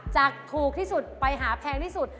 จากถูกที่สุดไปหาแพงที่สุด